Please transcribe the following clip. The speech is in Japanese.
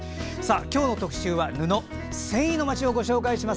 今日の特集は布繊維の街をご紹介します。